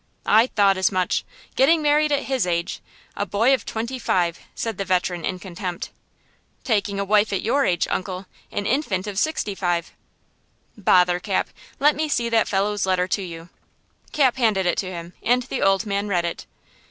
"I thought as much. Getting married at his age! A boy of twenty five!" said the veteran in contempt. "Taking a wife at your age, uncle, an infant of sixty six!" "Bother, Cap! Let me see that fellow's letter to you." Cap handed it to him and the old man read it.